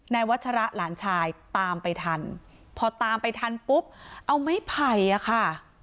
วัชระหลานชายตามไปทันพอตามไปทันปุ๊บเอาไม้ไผ่อ่ะค่ะ